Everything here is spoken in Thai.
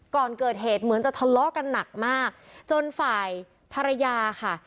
ก่อนเกิดเหตุเหมือนจะทะเลาะกันหนักมากจนฝ่ายภรรยาค่ะ